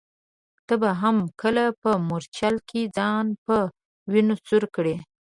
ته به هم کله په مورچل کي ځان په وینو سور کړې ؟